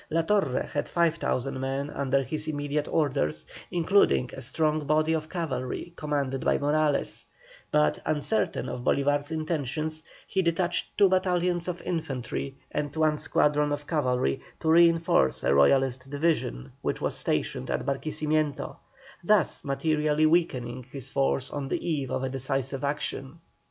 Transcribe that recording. La Torre had 5,000 men under his immediate orders, including a strong body of cavalry commanded by Morales, but, uncertain of Bolívar's intentions, he detached two battalions of infantry and one squadron of cavalry to reinforce a Royalist division which was stationed at Barquisimeto, thus materially weakening his force on the eve of a decisive action.